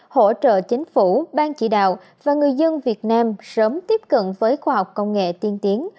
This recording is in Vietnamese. hỗ trợ chính phủ ban chỉ đạo và người dân việt nam sớm tiếp cận với khoa học công nghệ tiên tiến